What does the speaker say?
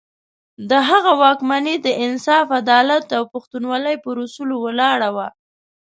د هغه واکمني د انصاف، عدالت او پښتونولي پر اصولو ولاړه وه.